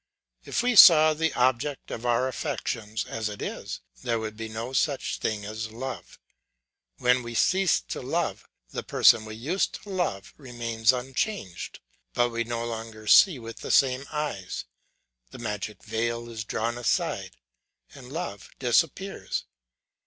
If we saw the object of our affections as it is, there would be no such thing as love. When we cease to love, the person we used to love remains unchanged, but we no longer see with the same eyes; the magic veil is drawn aside, and love disappears.